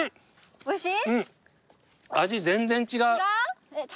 おいしい。